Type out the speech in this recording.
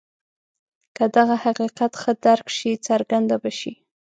که دغه حقیقت ښه درک شي څرګنده به شي.